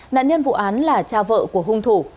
nạn nhân vụ án là cha vợ của hung thủ